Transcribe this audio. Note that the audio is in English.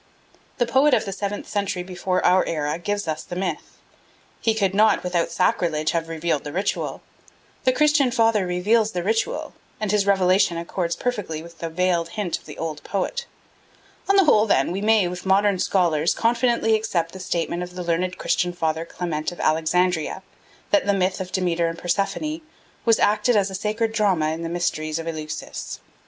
The poet of the seventh century before our era gives us the myth he could not without sacrilege have revealed the ritual: the Christian father reveals the ritual, and his revelation accords perfectly with the veiled hint of the old poet. On the whole, then, we may, with many modern scholars, confidently accept the statement of the learned Christian father Clement of Alexandria, that the myth of Demeter and Persephone was acted as a sacred drama in the mysteries of Eleusis.